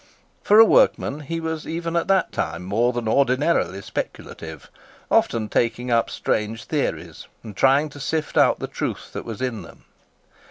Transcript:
For a workman, he was even at that time more than ordinarily speculative—often taking up strange theories, and trying to sift out the truth that was in them.